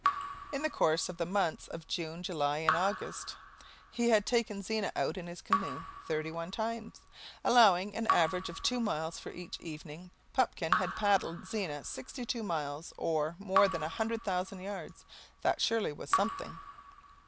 In the course of the months of June and July and August, he had taken Zena out in his canoe thirty one times. Allowing an average of two miles for each evening, Pupkin had paddled Zena sixty two miles, or more than a hundred thousand yards. That surely was something.